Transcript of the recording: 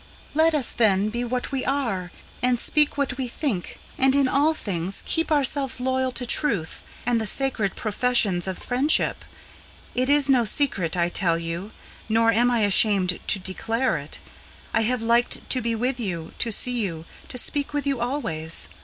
"Let us, then, be what we are, and speak what we think, and in all things Keep ourselves loyal to truth, and the sacred professions of friendship. It is no secret I tell you, nor am I ashamed to declare it: I have liked to be with you, to see you, to speak with you always.